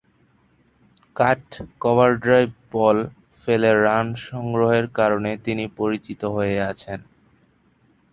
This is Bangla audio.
কাট, কভার ড্রাইভে বল ফেলে রান সংগ্রহের কারণে তিনি পরিচিত হয়ে আছেন।